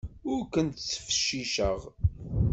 Ur kent-ttfecciceɣ.